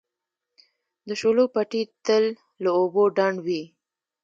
د شولو پټي تل له اوبو ډنډ وي.